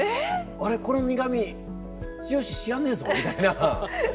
「あれこの苦み剛知らねえぞ」みたいな。